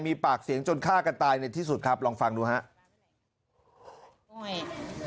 มีปากเสียงจนฆ่ากันตายในที่สุดครับลองฟังดูครับ